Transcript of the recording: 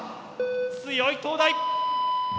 強い東大！